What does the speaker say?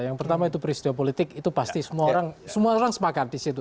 yang pertama itu presidio politik itu pasti semua orang semangat di situ